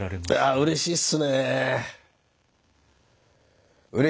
うれしいっすね。